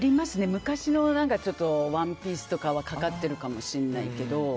昔のワンピースとかはかかってるかもしれないけど。